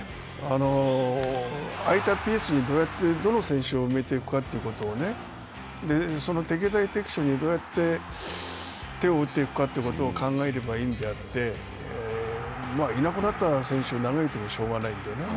空いたスペースにどの選手を埋めていくかということをその適材適所にどうやって手を打っていくかということを考えればいいんであって、いなくなった選手を投げいても仕方がないので。